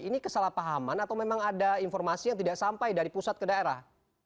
ini kesalahpahaman atau memang ada informasi yang tidak sampai dari pusat ke daerah